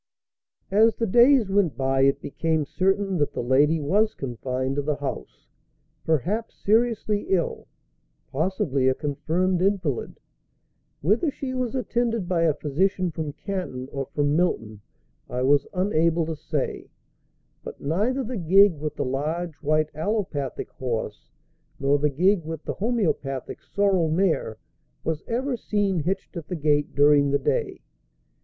As the days went by it became certain that the lady was confined to the house, perhaps seriously ill, possibly a confirmed invalid. Whether she was attended by a physician from Canton or from Milton, I was unable to say; but neither the gig with the large white allopathic horse, nor the gig with the homoeopathic sorrel mare, was ever seen hitched at the gate during the day.